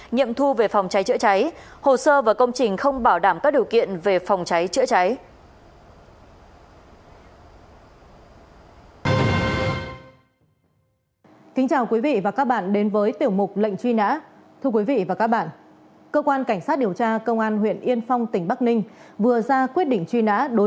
nhậm thu về phòng cháy chữa cháy hồ sơ và công trình không bảo đảm các điều kiện về phòng cháy chữa cháy